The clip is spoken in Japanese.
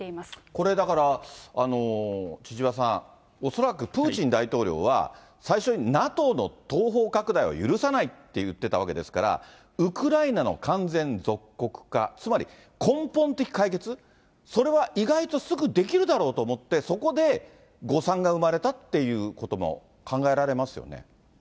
これだから、千々和さん、恐らくプーチン大統領は、最初にＮＡＴＯの東方拡大は許さないって言ってたわけですから、ウクライナの完全属国化、つまり根本的解決、それは意外とすぐできるだろうと思って、そこで誤算が生まれたっていうことも考えられますよね。